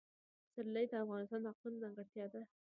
پسرلی د افغانستان د اقلیم ځانګړتیا ده.